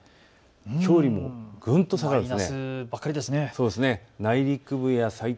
きょうよりもぐんと下がるんです。